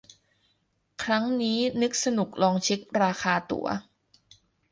ครั้งนี้นึกสนุกลองเช็คราคาตั๋ว